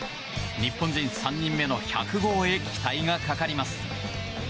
日本人３人目の１００号へ期待がかかります。